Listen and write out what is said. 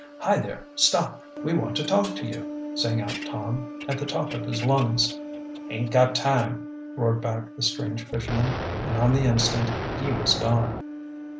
"Hi, there, stop! We want to talk to you!" sang out Tom, at the top of his lungs. "Ain't got time," roared back the strange fisherman, and on the instant he was gone.